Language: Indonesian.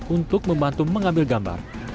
untuk membantu mengambil gambar